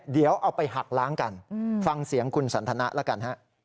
เดี๋ยวเอาไปหักล้างกันฟังเสียงคุณสันทนะแล้วกันฮะ